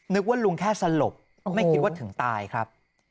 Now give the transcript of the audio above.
นึกว่าลุงแค่สลบไม่คิดว่าถึงตายครับ